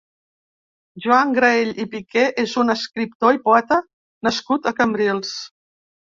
Joan Graell i Piqué és un escriptor i poeta nascut a Cambrils.